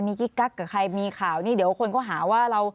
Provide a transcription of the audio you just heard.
มีกิ๊กกักกับใครมีข่าวนี่เดี๋ยวคนก็หาว่าเรา